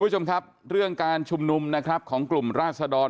คุณผู้ชมครับเรื่องการชุมนุมนะครับของกลุ่มราศดร